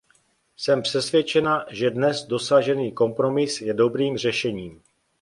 Jsem přesvědčena, že dnes dosažený kompromis je dobrým řešením.